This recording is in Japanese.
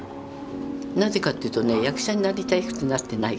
なぜかっていうとね役者になりたくてなってないから。